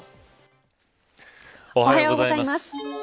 おはようございます。